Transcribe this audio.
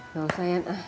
gak usah yanta